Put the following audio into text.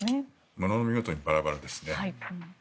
ものの見事にバラバラですね。